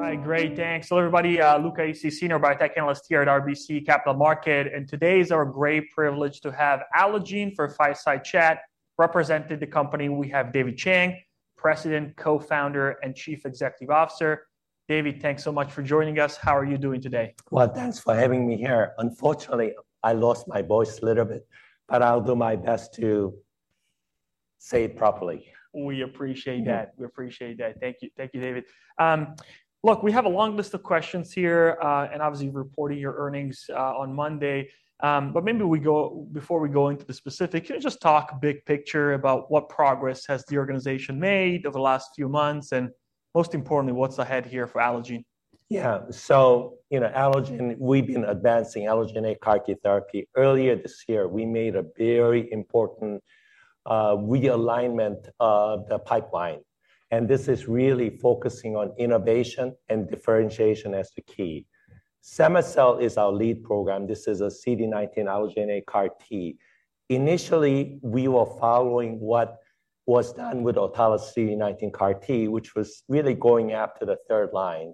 All right, great. Thanks. Hello, everybody, Luca Issi, Senior Biotech Analyst here at RBC Capital Markets, and today is our great privilege to have Allogene for a fireside chat. Representing the company, we have David Chang, President, Co-founder, and Chief Executive Officer. David, thanks so much for joining us. How are you doing today? Well, thanks for having me here. Unfortunately, I lost my voice a little bit, but I'll do my best to say it properly. We appreciate that. We appreciate that. Thank you. Thank you, David. Look, we have a long list of questions here, and obviously, you're reporting your earnings on Monday. But maybe before we go into the specifics, can you just talk big picture about what progress has the organization made over the last few months, and most importantly, what's ahead here for Allogene? Yeah. So, you know, Allogene, we've been advancing allogeneic CAR T therapy. Earlier this year, we made a very important realignment of the pipeline, and this is really focusing on innovation and differentiation as the key. Cema-cel is our lead program. This is a CD19 allogeneic CAR T. Initially, we were following what was done with autologous CD19 CAR T, which was really going after the third line.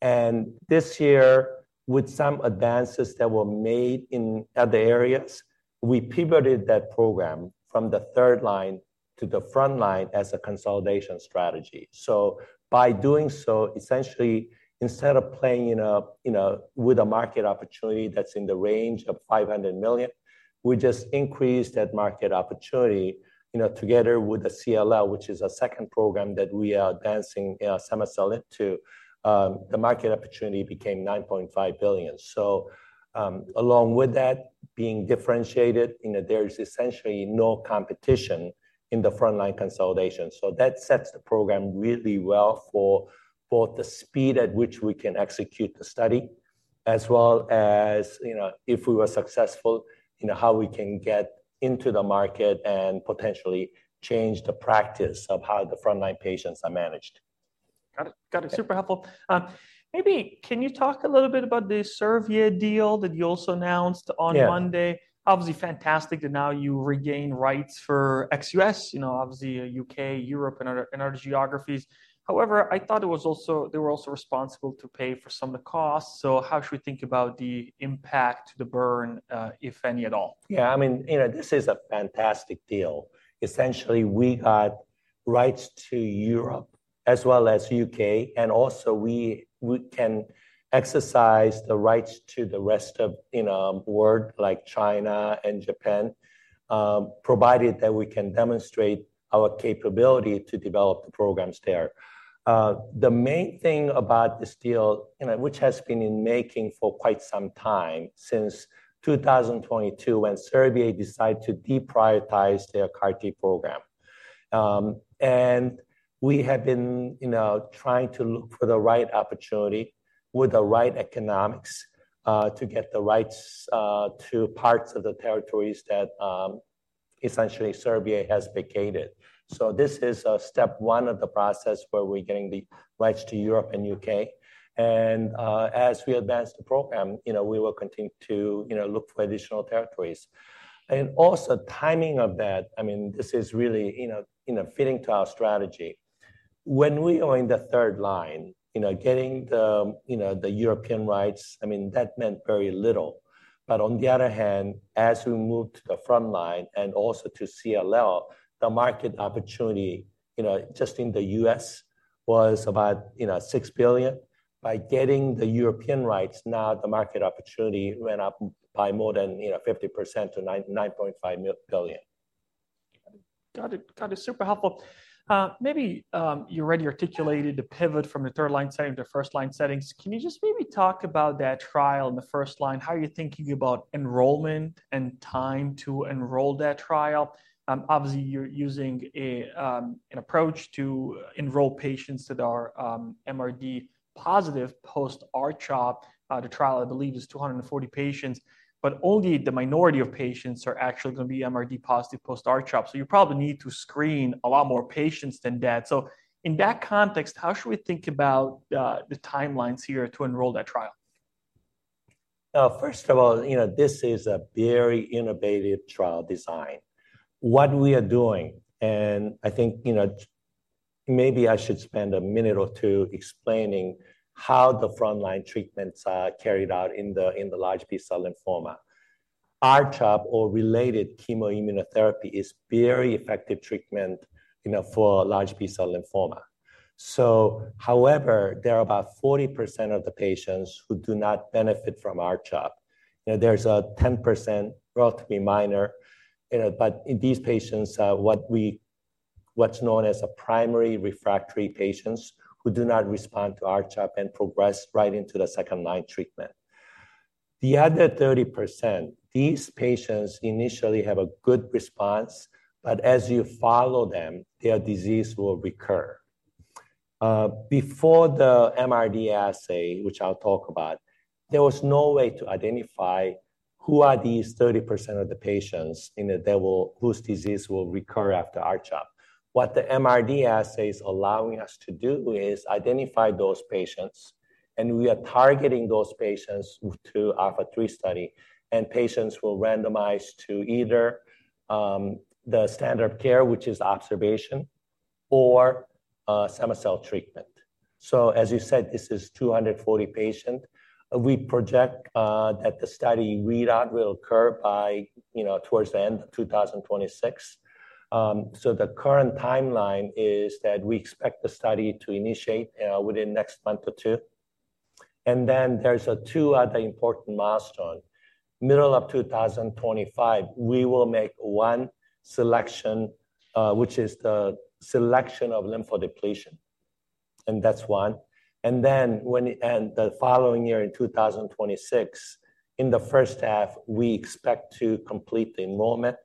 And this year, with some advances that were made in other areas, we pivoted that program from the third line to the front line as a consolidation strategy. So by doing so, essentially, instead of playing in a with a market opportunity that's in the range of $500 million, we just increased that market opportunity. You know, together with the CLL, which is a second program that we are advancing, cema-cel into, the market opportunity became $9.5 billion. So, along with that being differentiated, you know, there is essentially no competition in the front-line consolidation, so that sets the program really well for both the speed at which we can execute the study as well as, you know, if we were successful, you know, how we can get into the market and potentially change the practice of how the front-line patients are managed. Got it. Got it. Super helpful. Maybe can you talk a little bit about the Servier deal that you also announced on- Yeah Monday? Obviously fantastic that now you regain rights for ex-U.S., you know, obviously U.K., Europe, and other geographies. However, I thought it was also, they were also responsible to pay for some of the costs, so how should we think about the impact, the burn, if any, at all? Yeah, I mean, you know, this is a fantastic deal. Essentially, we got rights to Europe as well as U.K., and also we can exercise the rights to the rest of, you know, world, like China and Japan, provided that we can demonstrate our capability to develop the programs there. The main thing about this deal, you know, which has been in making for quite some time, since 2022, when Servier decided to deprioritize their CAR T program. We have been, you know, trying to look for the right opportunity with the right economics, to get the rights, to parts of the territories that, essentially Servier has vacated. So this is step 1 of the process where we're getting the rights to Europe and UK, and as we advance the program, you know, we will continue to, you know, look for additional territories. And also timing of that, I mean, this is really, you know, you know, fitting to our strategy. When we are in the third line, you know, getting the, you know, the European rights, I mean, that meant very little. But on the other hand, as we moved to the front line and also to CLL, the market opportunity, you know, just in the U.S., was about, you know, $6 billion. By getting the European rights, now the market opportunity went up by more than, you know, 50% to $9.5 billion. Got it. Got it. Super helpful. Maybe, you already articulated the pivot from the third line setting to first-line settings. Can you just maybe talk about that trial in the first line? How are you thinking about enrollment and time to enroll that trial? Obviously, you're using an approach to enroll patients that are MRD positive post R-CHOP. The trial, I believe, is 240 patients, but only the minority of patients are actually going to be MRD positive post R-CHOP, so you probably need to screen a lot more patients than that. So in that context, how should we think about the timelines here to enroll that trial? First of all, you know, this is a very innovative trial design. What we are doing, and I think, you know, maybe I should spend a minute or two explaining how the frontline treatments are carried out in the large B-cell lymphoma. R-CHOP or related chemoimmunotherapy is very effective treatment, you know, for large B-cell lymphoma. So however, there are about 40% of the patients who do not benefit from R-CHOP. You know, there's a 10%, relatively minor, you know, but in these patients, what's known as a primary refractory patients who do not respond to R-CHOP and progress right into the second-line treatment. The other 30%, these patients initially have a good response, but as you follow them, their disease will recur. Before the MRD assay, which I'll talk about, there was no way to identify who are these 30% of the patients, you know, that will—whose disease will recur after R-CHOP. What the MRD assay is allowing us to do is identify those patients and we are targeting those patients to ALPHA-3 study, and patients will randomize to either the standard of care, which is observation, or cema-cel treatment. So as you said, this is 240 patient. We project that the study readout will occur by, you know, towards the end of 2026. So the current timeline is that we expect the study to initiate within next month or two. And then there's two other important milestone. Middle of 2025, we will make one selection, which is the selection of lymphodepletion, and that's one. And then the following year, in 2026, in the first half, we expect to complete the enrollment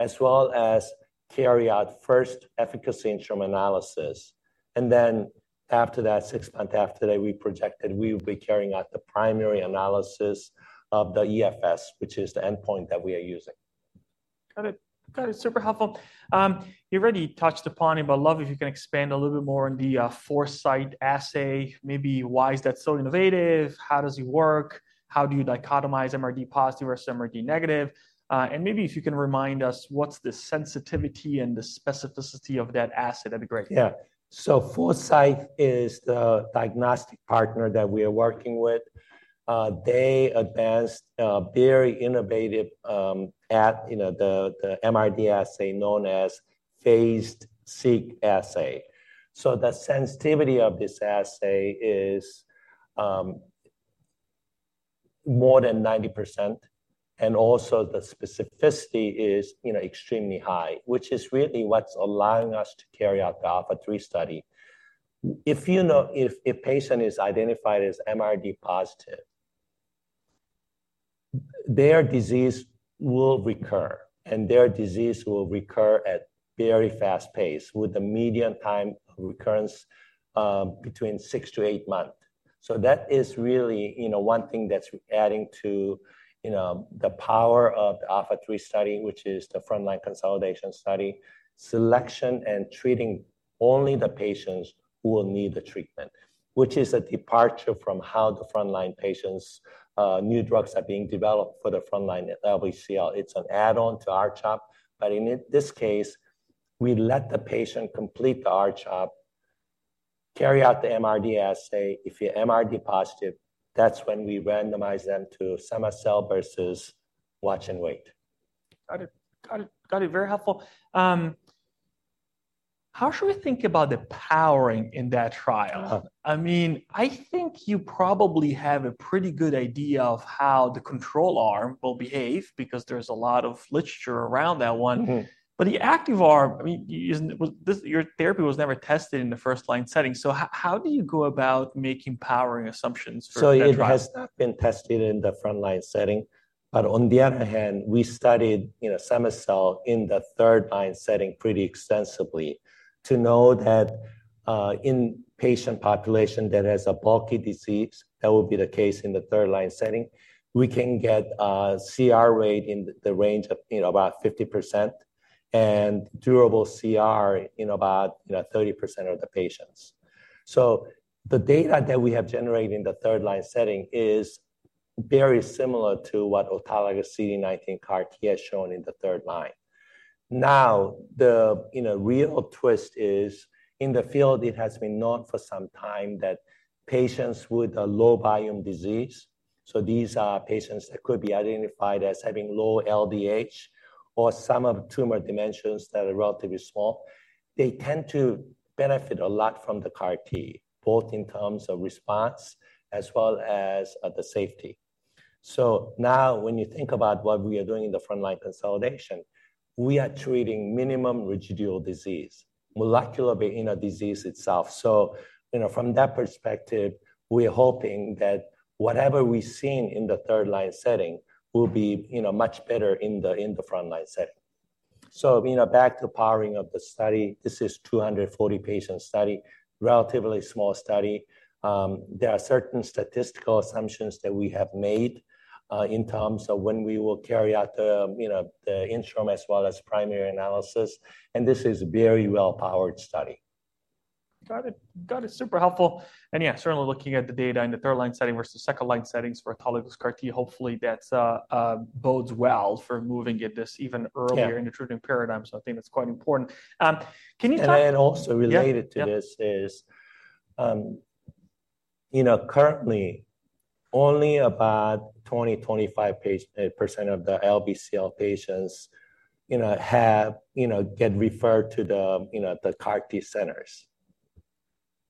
as well as carry out first efficacy interim analysis. And then after that, six months after that, we projected we will be carrying out the primary analysis of the EFS, which is the endpoint that we are using. Got it. Got it. Super helpful. You already touched upon it, but I'd love if you can expand a little bit more on the Foresight assay, maybe why is that so innovative? How does it work? How do you dichotomize MRD positive or MRD negative? And maybe if you can remind us what's the sensitivity and the specificity of that assay, that'd be great. Yeah. So Foresight is the diagnostic partner that we are working with. They advanced a very innovative, you know, the MRD assay known as PhasED-Seq assay. So the sensitivity of this assay is more than 90%, and also the specificity is, you know, extremely high, which is really what's allowing us to carry out the ALPHA-3 study. If, you know, if patient is identified as MRD positive, their disease will recur, and their disease will recur at very fast pace, with the median time of recurrence between 6-8 months. So that is really, you know, one thing that's adding to, you know, the power of the ALPHA-3 study, which is the frontline consolidation study, selection and treating only the patients who will need the treatment, which is a departure from how the frontline patients, new drugs are being developed for the frontline LBCL. It's an add-on to R-CHOP, but in this case, we let the patient complete the R-CHOP, carry out the MRD assay. If you're MRD positive, that's when we randomize them to cema-cel versus watch and wait. Got it. Got it, got it. Very helpful. How should we think about the powering in that trial? Uh-huh. I mean, I think you probably have a pretty good idea of how the control arm will behave because there's a lot of literature around that one. Mm-hmm. But the active arm, I mean, isn't it? Was this, your therapy was never tested in the first line setting, so how do you go about making powering assumptions for the trial? So it has not been tested in the front line setting, but on the other hand, we studied, you know, cema-cel in the third line setting pretty extensively to know that, in patient population that has a bulky disease, that would be the case in the third line setting, we can get a CR rate in the range of, you know, about 50% and durable CR in about, you know, 30% of the patients. So the data that we have generated in the third line setting is very similar to what autologous CD19 CAR T has shown in the third line. Now, you know, the real twist is, in the field, it has been known for some time that patients with a low volume disease, so these are patients that could be identified as having low LDH or some of tumor dimensions that are relatively small, they tend to benefit a lot from the CAR T, both in terms of response as well as the safety. So now, when you think about what we are doing in the frontline consolidation, we are treating minimum residual disease, molecularly, you know, disease itself. So, you know, from that perspective, we're hoping that whatever we see in the third line setting will be, you know, much better in the front line setting. So, you know, back to powering of the study, this is a 240-patient study, relatively small study. There are certain statistical assumptions that we have made, in terms of when we will carry out the, you know, the interim as well as primary analysis, and this is a very well-powered study. Got it. Got it. Super helpful. And yeah, certainly looking at the data in the third line setting versus the second line settings for autologous CAR T, hopefully, that bodes well for moving it this even earlier- Yeah -in the treatment paradigm, so I think that's quite important. Can you talk- And then also related to this- Yep, yep is, you know, currently, only about 20-25% of the LBCL patients, you know, have, you know, get referred to the, you know, the CAR T centers.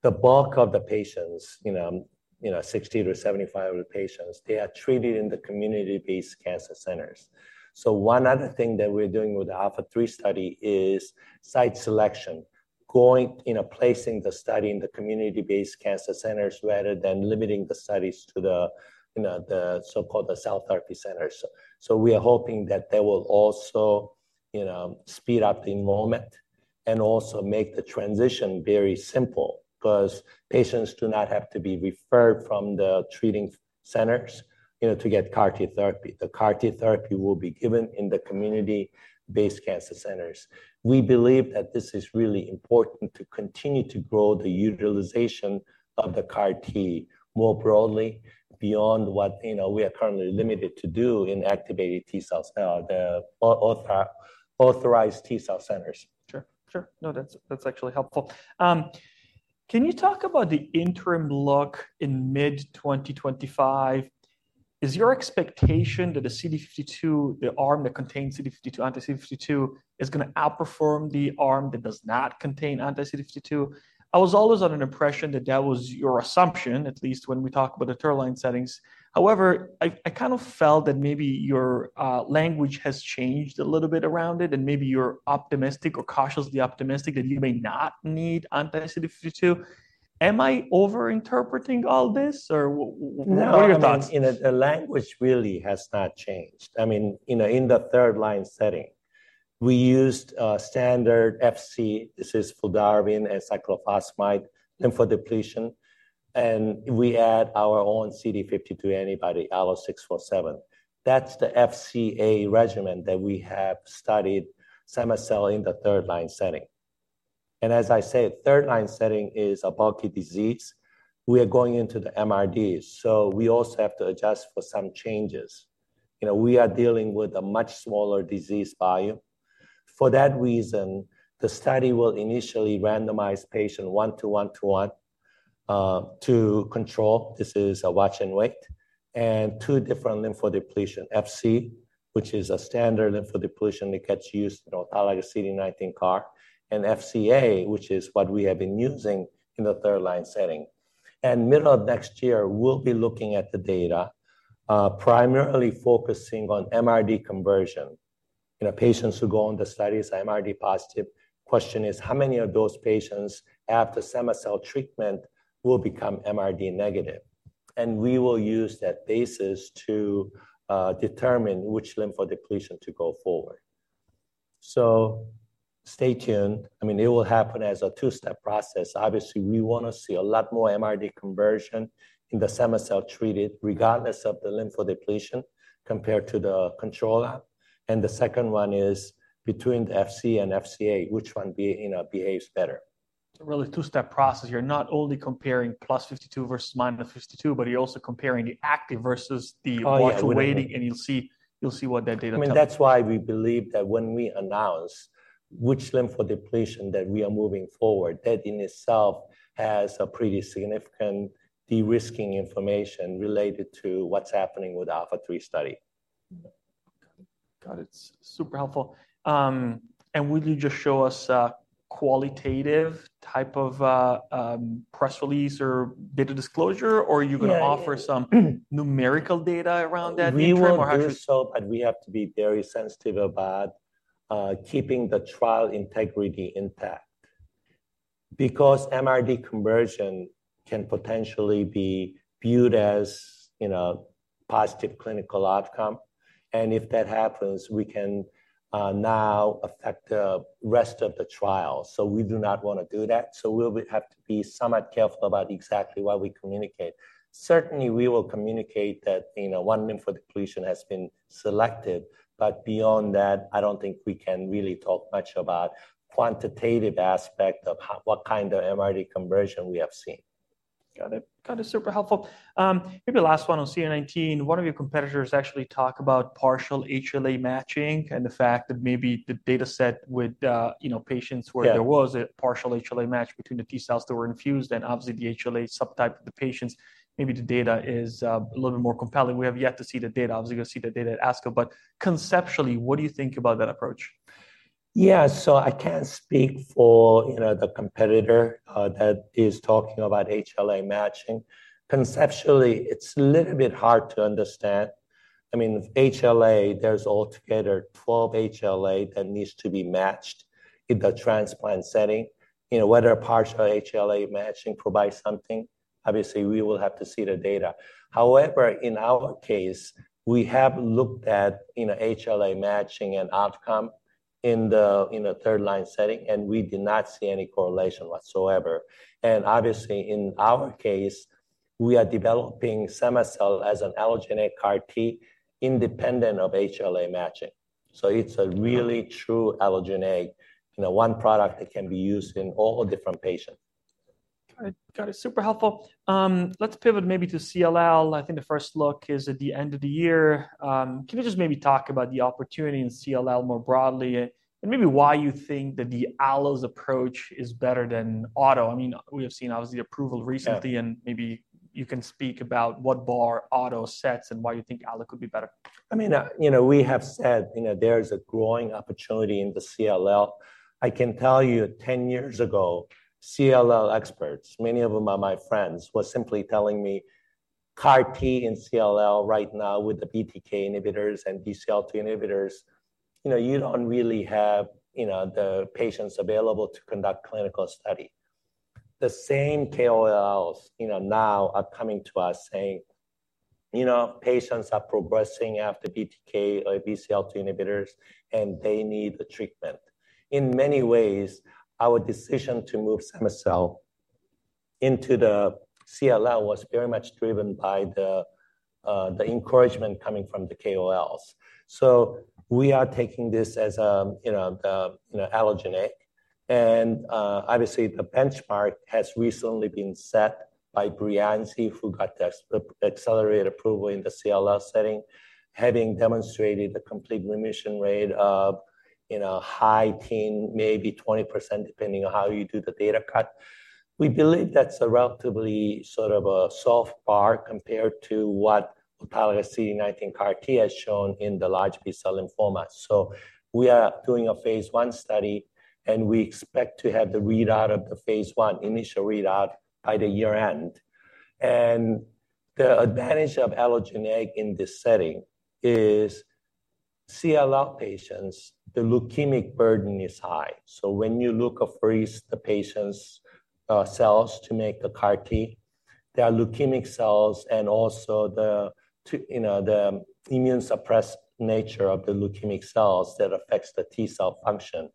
The bulk of the patients, you know, you know, 60-75 of the patients, they are treated in the community-based cancer centers. So one other thing that we're doing with the Alpha-3 study is site selection, going, you know, placing the study in the community-based cancer centers, rather than limiting the studies to the, you know, the so-called the cell therapy centers. So we are hoping that they will also, you know, speed up the enrollment and also make the transition very simple, 'cause patients do not have to be referred from the treating centers, you know, to get CAR T therapy. The CAR T therapy will be given in the community-based cancer centers. We believe that this is really important to continue to grow the utilization of the CAR T more broadly beyond what, you know, we are currently limited to the authorized T cell centers. Sure, sure. No, that's, that's actually helpful. Can you talk about the interim look in mid-2025? Is your expectation that the CD52, the arm that contains CD52, anti-CD52, is gonna outperform the arm that does not contain anti-CD52? I was always under an impression that that was your assumption, at least when we talk about the third line settings. However, I kind of felt that maybe your language has changed a little bit around it, and maybe you're optimistic or cautiously optimistic that you may not need anti-CD52. Am I overinterpreting all this, or what are your thoughts? No, I mean, you know, the language really has not changed. I mean, you know, in the third line setting, we used standard FC, this is fludarabine and cyclophosphamide lymphodepletion, and we add our own CD52 antibody, ALLO-647. That's the FCA regimen that we have studied cema-cel in the third line setting. And as I said, third line setting is a bulky disease. We are going into the MRD, so we also have to adjust for some changes. You know, we are dealing with a much smaller disease volume. For that reason, the study will initially randomize patients 1:1:1 to control, this is a watch and wait, and two different lymphodepletion, FC, which is a standard lymphodepletion that gets used, you know, like a CD19 CAR, and FCA, which is what we have been using in the third line setting. Middle of next year, we'll be looking at the data, primarily focusing on MRD conversion. You know, patients who go on the study is MRD positive. Question is, how many of those patients after cema-cel treatment will become MRD negative? And we will use that basis to, determine which lymphodepletion to go forward. So stay tuned. I mean, it will happen as a two-step process. Obviously, we wanna see a lot more MRD conversion in the cema-cel treated, regardless of the lymphodepletion, compared to the control arm. And the second one is between the FC and FCA, which one, you know, behaves better. It's a really two-step process. You're not only comparing +52 versus -52, but you're also comparing the active versus the- Oh, yeah... watch and waiting, and you'll see, you'll see what that data tells you. I mean, that's why we believe that when we announce which lymphodepletion that we are moving forward, that in itself has a pretty significant de-risking information related to what's happening with ALPHA-3 study. Got it. Super helpful. And will you just show us a qualitative type of press release or data disclosure, or are you gonna offer- Yeah... some numerical data around that interim, or how- We will do so, but we have to be very sensitive about keeping the trial integrity intact. Because MRD conversion can potentially be viewed as, you know, positive clinical outcome, and if that happens, we can now affect the rest of the trial. So we do not wanna do that, so we'll have to be somewhat careful about exactly what we communicate. Certainly, we will communicate that, you know, one lymphodepletion has been selected, but beyond that, I don't think we can really talk much about quantitative aspect of what kind of MRD conversion we have seen. Got it. Got it, super helpful. Maybe the last one on CD19. One of your competitors actually talk about partial HLA matching and the fact that maybe the data set with, you know, patients- Yeah... where there was a partial HLA match between the T cells that were infused and obviously the HLA subtype of the patients, maybe the data is a little bit more compelling. We have yet to see the data. Obviously, we'll see the data at ASCO, but conceptually, what do you think about that approach? Yeah, so I can't speak for, you know, the competitor that is talking about HLA matching. Conceptually, it's a little bit hard to understand. I mean, HLA, there's altogether 12 HLA that needs to be matched in the transplant setting. You know, whether partial HLA matching provides something, obviously, we will have to see the data. However, in our case, we have looked at, you know, HLA matching and outcome in the, in the third line setting, and we did not see any correlation whatsoever. And obviously, in our case, we are developing cema-cel as an allogeneic CAR T independent of HLA matching. So it's a really true allogeneic, you know, one product that can be used in all different patients. Got it, got it. Super helpful. Let's pivot maybe to CLL. I think the first look is at the end of the year. Can you just maybe talk about the opportunity in CLL more broadly, and maybe why you think that the allo's approach is better than auto? I mean, we have seen, obviously, the approval recently- Yeah... and maybe you can speak about what Breyanzi sets and why you think Allo could be better. I mean, you know, we have said, you know, there is a growing opportunity in the CLL. I can tell you, 10 years ago, CLL experts, many of them are my friends, were simply telling me, "CAR T and CLL right now with the BTK inhibitors and BCL-2 inhibitors, you know, you don't really have, you know, the patients available to conduct clinical study." The same KOLs, you know, now are coming to us saying, "You know, patients are progressing after BTK or BCL-2 inhibitors, and they need a treatment." In many ways, our decision to move cema-cel into the CLL was very much driven by the, the encouragement coming from the KOLs. We are taking this as a, you know, a, you know, allogeneic, and, obviously, the benchmark has recently been set by Breyanzi, who got the accelerated approval in the CLL setting, having demonstrated a complete remission rate of, you know, high teen, maybe 20%, depending on how you do the data cut. We believe that's a relatively sort of a soft bar compared to what autologous CD19 CAR T has shown in the large B-cell lymphoma. We are doing a phase I study, and we expect to have the readout of the phase I, initial readout, by the year-end. The advantage of allogeneic in this setting is CLL patients, the leukemic burden is high. So when you leukapheresis the patient's cells to make a CAR T, there are leukemic cells and also you know, the immunosuppressed nature of the leukemic cells that affects the T-cell function.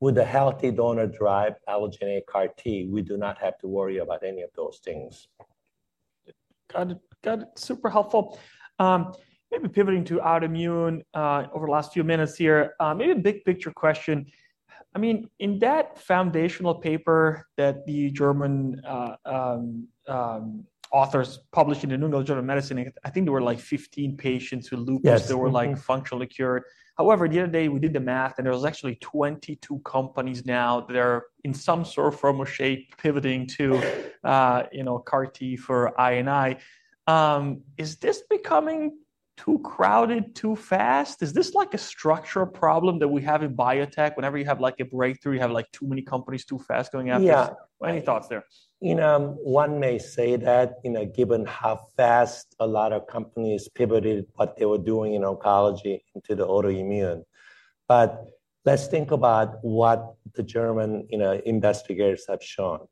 With the healthy donor-derived allogeneic CAR T, we do not have to worry about any of those things. Got it. Got it. Super helpful. Maybe pivoting to autoimmune, over the last few minutes here, maybe a big picture question. I mean, in that foundational paper that the German authors published in the New England Journal of Medicine, I think there were, like, 15 patients with lupus- Yes. -that were, like, functionally cured. However, the other day, we did the math, and there was actually 22 companies now that are, in some sort, form, or shape, pivoting to, you know, CAR T for I&I. Is this becoming too crowded too fast? Is this, like, a structural problem that we have in biotech? Whenever you have, like, a breakthrough, you have, like, too many companies too fast going after it. Yeah. Any thoughts there? You know, one may say that, you know, given how fast a lot of companies pivoted what they were doing in oncology into the autoimmune. But let's think about what the German, you know, investigators have shown.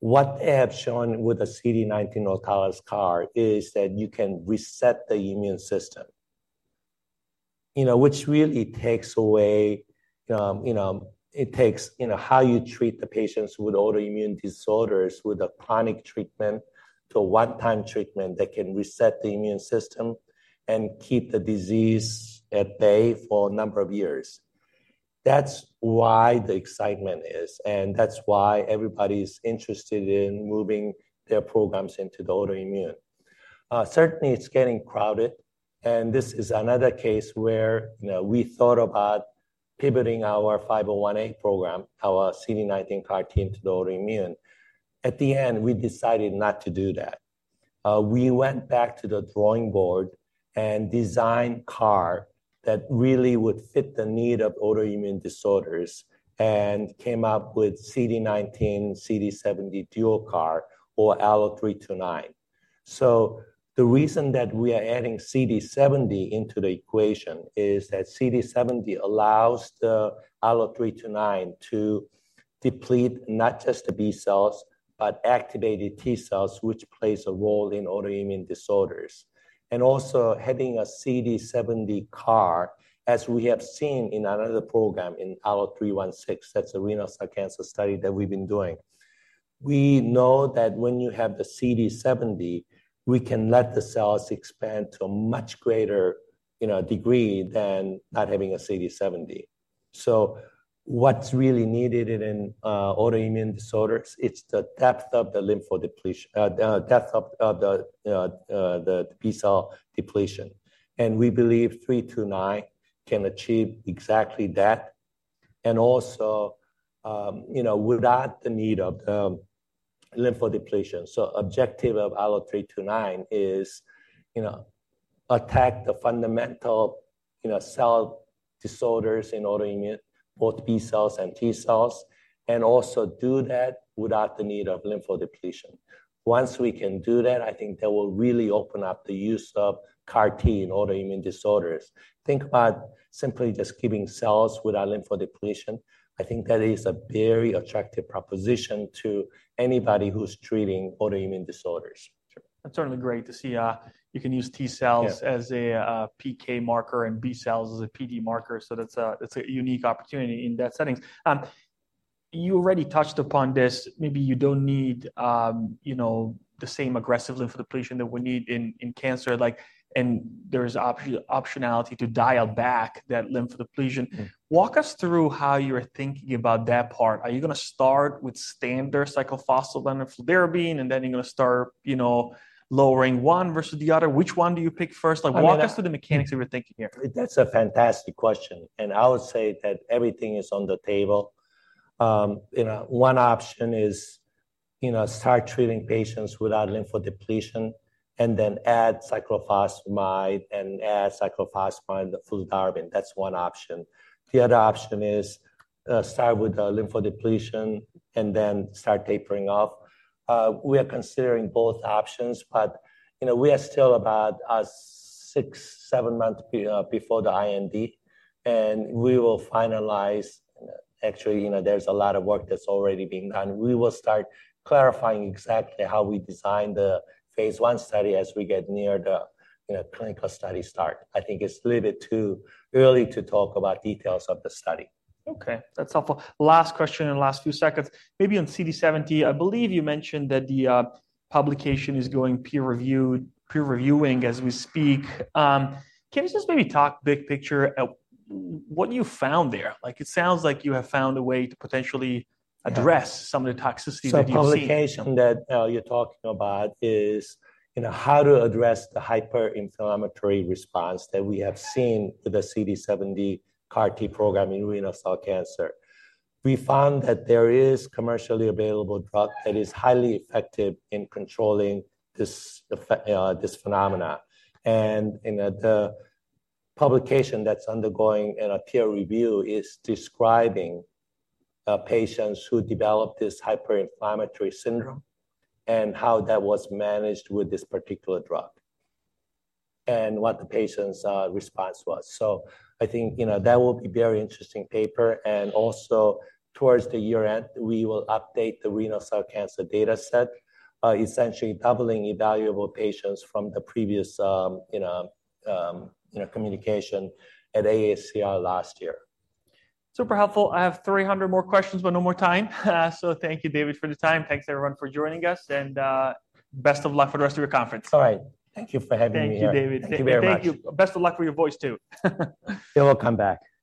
What they have shown with the CD19 autologous CAR is that you can reset the immune system, you know, which really takes away, you know, it takes, you know, how you treat the patients with autoimmune disorders with a chronic treatment to a one-time treatment that can reset the immune system and keep the disease at bay for a number of years. That's why the excitement is, and that's why everybody's interested in moving their programs into the autoimmune. Certainly, it's getting crowded, and this is another case where, you know, we thought about pivoting our ALLO-501A program, our CD19 CAR T, into the autoimmune. At the end, we decided not to do that. We went back to the drawing board and designed CAR that really would fit the need of autoimmune disorders and came up with CD19, CD70 duo CAR, or ALLO-329. So the reason that we are adding CD70 into the equation is that CD70 allows the ALLO-329 to deplete not just the B cells, but activated T cells, which plays a role in autoimmune disorders. And also, having a CD70 CAR, as we have seen in another program, in ALLO-316, that's a renal cell cancer study that we've been doing. We know that when you have the CD70, we can let the cells expand to a much greater, you know, degree than not having a CD70. So what's really needed in autoimmune disorders, it's the depth of the B-cell depletion, and we believe ALLO-329 can achieve exactly that, and also, you know, without the need of lymphodepletion. So objective of ALLO-329 is, you know, attack the fundamental, you know, cell disorders in autoimmune, both B cells and T cells, and also do that without the need of lymphodepletion. Once we can do that, I think that will really open up the use of CAR T in autoimmune disorders. Think about simply just giving cells without lymphodepletion. I think that is a very attractive proposition to anybody who's treating autoimmune disorders. Sure. That's certainly great to see, you can use T cells- Yeah... as a PK marker and B cells as a PD marker, so that's a unique opportunity in that setting. You already touched upon this. Maybe you don't need, you know, the same aggressive lymphodepletion that we need in cancer, like, and there's optionality to dial back that lymphodepletion. Mm-hmm. Walk us through how you're thinking about that part. Are you gonna start with standard cyclophosphamide and fludarabine, and then you're gonna start, you know, lowering one versus the other? Which one do you pick first? I- Like, walk us through the mechanics that we're thinking here. That's a fantastic question, and I would say that everything is on the table. You know, one option is, you know, start treating patients without lymphodepletion and then add cyclophosphamide and add cyclophosphamide and fludarabine. That's one option. The other option is start with the lymphodepletion and then start tapering off. We are considering both options, but, you know, we are still about 6-7 months before the IND, and we will finalize. Actually, you know, there's a lot of work that's already being done. We will start clarifying exactly how we design the phase I study as we get near the, you know, clinical study start. I think it's a little too early to talk about details of the study. Okay, that's helpful. Last question in the last few seconds, maybe on CD70, I believe you mentioned that the publication is going peer-reviewed, peer reviewing as we speak. Can you just maybe talk big picture at what you found there? Like, it sounds like you have found a way to potentially address- Yeah some of the toxicity that you've seen. So publication that you're talking about is, you know, how to address the hyperinflammatory response that we have seen with the CD70 CAR T program in renal cell cancer. We found that there is commercially available drug that is highly effective in controlling this phenomena, and, you know, the publication that's undergoing in a peer review is describing patients who developed this hyperinflammatory syndrome and how that was managed with this particular drug, and what the patient's response was. So I think, you know, that will be very interesting paper, and also, towards the year-end, we will update the renal cell cancer dataset, essentially doubling evaluable patients from the previous, you know, communication at AACR last year. Super helpful. I have 300 more questions, but no more time. So thank you, David, for the time. Thanks, everyone, for joining us, and best of luck for the rest of your conference. All right. Thank you for having me here. Thank you, David. Thank you very much. Thank you. Best of luck for your voice, too. It will come back.